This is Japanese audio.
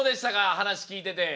話聞いてて。